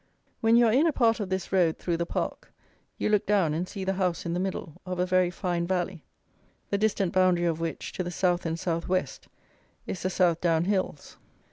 When you are in a part of this road through the park you look down and see the house in the middle of a very fine valley, the distant boundary of which, to the south and south west, is the South Down Hills.